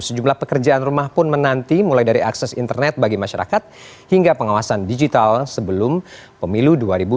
sejumlah pekerjaan rumah pun menanti mulai dari akses internet bagi masyarakat hingga pengawasan digital sebelum pemilu dua ribu dua puluh